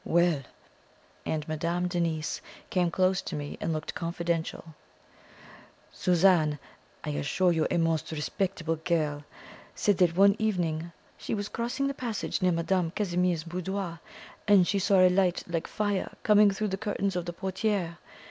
"Well," and Madame Denise came close to me and looked confidential, "Suzanne I assure you a most respectable girl said that one evening she was crossing the passage near Madame Casimir's boudoir, and she saw a light like fire coming through the curtains of the portiere.